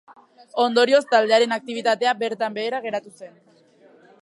Ondorioz, taldearen aktibitatea bertan behera geratu zen.